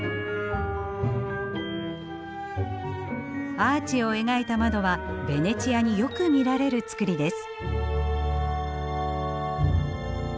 アーチを描いた窓はベネチアによく見られる造りです。